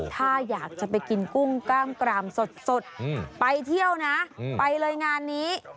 ถ้าอยากจะไปกินกุ้งกล้ามกรามสดไปเที่ยวนะไปเลยงานนี้